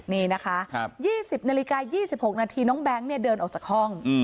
นี่นะคะ๒๐น๒๖นน้องแบ๊งเดินออกจากห้อง